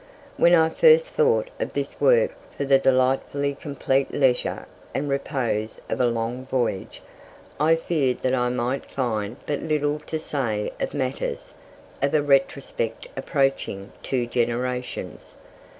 When I first thought of this work for the delightfully complete leisure and repose of a long voyage, I feared that I might find but little to say of matters of a retrospect approaching two generations.